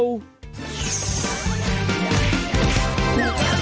ค่ะค่ะ